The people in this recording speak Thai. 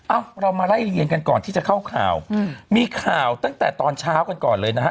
อ่ะเรามาไล่เรียนกันก่อนที่จะเข้าข่าวมีข่าวตั้งแต่ตอนเช้ากันก่อนเลยนะฮะ